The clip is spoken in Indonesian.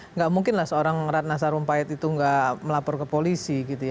enggak mungkinlah seorang ratna sarumpait itu enggak melapor ke polisi gitu ya